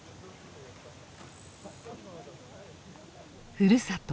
ふるさと